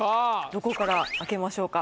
どこから開けましょうか？